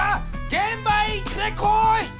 げん場へ行ってこい！